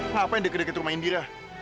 ngapain deket deket rumah indira